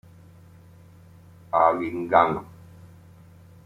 A. Guingamp.